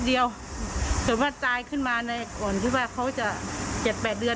เดี๋ยวถึงว่าตายขึ้นมาในวันเขาจะเจ็ดแปดเดือน